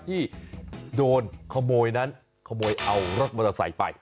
ที่โดนขโมยนั้นขโมยเอารถมอเตอร์ไซค์ไป